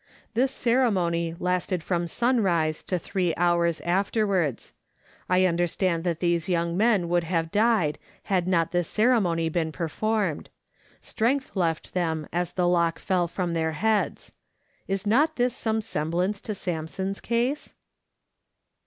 This ceremony lasted from sunrise to three hours afterwards. I understand that these young men would have died had not this ceremony been performed. Strength left them as the lock fell from their heads. (Is not this some semblance to Samson's case?)